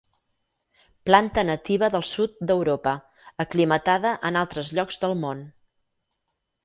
Planta nativa del sud d'Europa, aclimatada en altres llocs del món.